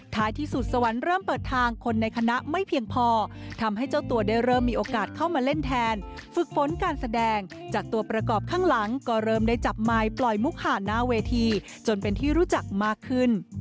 ที่สุดสวรรค์เริ่มเปิดทางคนในคณะไม่เพียงพอทำให้เจ้าตัวได้เริ่มมีโอกาสเข้ามาเล่นแทนฝึกฝนการแสดงจากตัวประกอบข้างหลังก็เริ่มได้จับไมค์ปล่อยมุกหาหน้าเวทีจนเป็นที่รู้จักมากขึ้น